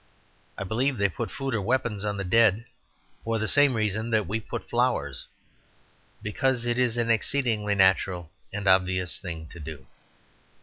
I believe they put food or weapons on the dead for the same reason that we put flowers, because it is an exceedingly natural and obvious thing to do.